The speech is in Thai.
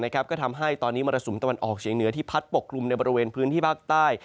ก็ทำให้ตอนนี้มรสุมตะวันออกเฉียงเหนือที่พัดปกกลุ่มในบริเวณพื้นที่ภาคใต้